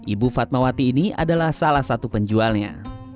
ibu fatmawati ini adalah salah satu penjualnya